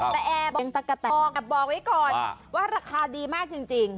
แต่แอร์บอกไว้ก่อนว่าราคาดีมากจริง